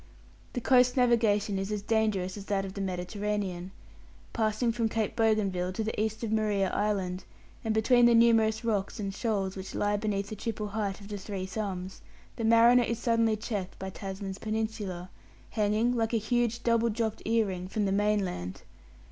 The coast navigation is as dangerous as that of the Mediterranean. Passing from Cape Bougainville to the east of Maria Island, and between the numerous rocks and shoals which lie beneath the triple height of the Three Thumbs, the mariner is suddenly checked by Tasman's Peninsula, hanging, like a huge double dropped ear ring, from the mainland.